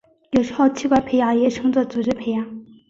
有时候器官培养也称作组织培养。